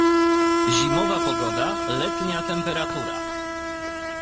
Zimowa pogoda - letnia temperatura